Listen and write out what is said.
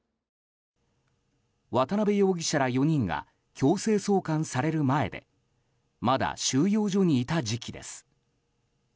渡邉容疑者ら４人が強制送還される前でまだ収容所にいた時期です。